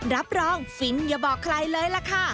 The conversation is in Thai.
รับรองฟินอย่าบอกใครเลยล่ะค่ะ